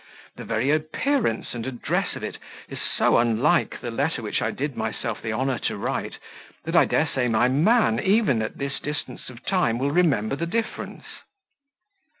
The very appearance and address of it is so unlike the letter which I did myself the honour to write, that I dare say my man, even at this distance of time, will remember the difference."